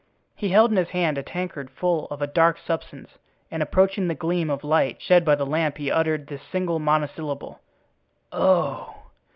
He held in his hand a tankard full of a dark substance, and approaching the gleam of light shed by the lamp he uttered this single monosyllable: "Oh!"